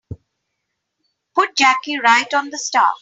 Put Jackie right on the staff.